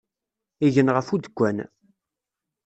Igen ɣef udekkan.